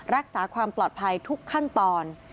รักษาความปลอดภัยทุกขั้นตอน